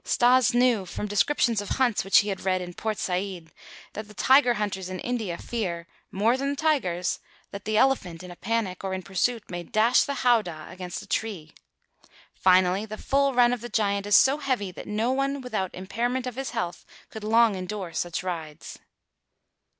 Stas knew from descriptions of hunts which he had read in Port Said that the tiger hunters in India fear, more than the tigers, that the elephant in a panic or in pursuit may dash the howdah against a tree. Finally, the full run of the giant is so heavy that no one without impairment of his health could long endure such rides.